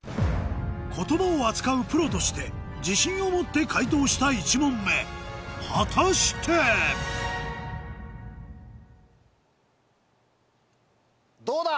言葉を扱うプロとして自信を持って解答した１問目果たして⁉どうだ？